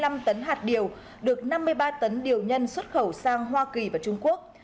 trong quá trình sản xuất chế biến hai trăm sáu mươi năm tấn hạt điều được năm mươi ba tấn điều nhân xuất khẩu sang hoa kỳ và trung quốc